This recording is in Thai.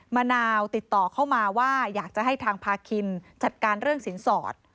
มะนาวติดต่อเข้ามาว่าอยากจะให้ทางพาคินจัดการเรื่องสินสอด